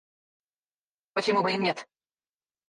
Почему бы и нет?